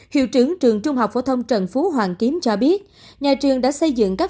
hiệu trưởng trường trung học phổ thông trần phú hoàng kiếm cho biết nhà trường đã xây dựng các